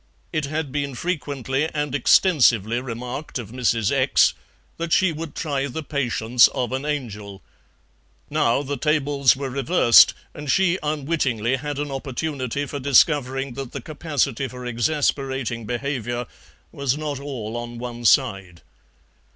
It had been frequently and extensively remarked of Mrs. Exe that she would try the patience of an angel; now the tables were reversed, and she unwittingly had an opportunity for discovering that the capacity for exasperating behaviour was not all on one side.